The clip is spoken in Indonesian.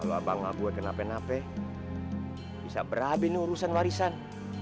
kalau abang abue kenape nape bisa berabe ini urusan warisan